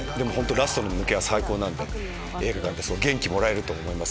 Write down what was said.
ラストは最高なので映画館で元気もらえると思います。